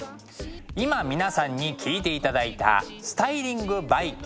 今皆さんに聴いていただいた「スタイリングｂｙキトラ」。